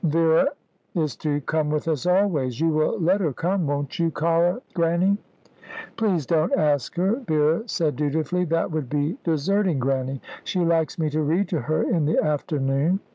"Vera is to come with us always. You will let her come, won't you, cara Grannie?" "Please don't ask her," Vera said dutifully. "That would be deserting Grannie. She likes me to read to her in the afternoon."